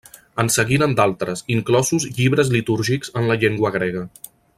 En seguiren d'altres, inclosos llibres litúrgics en la llengua grega.